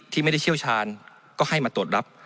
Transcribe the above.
ที่ไม่ได้เชี่ยวชาญก็ให้มาตรวจรับ